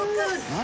何？